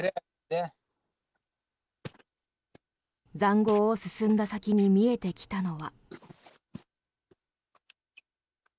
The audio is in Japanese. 塹壕を進んだ先に見えてきたのは。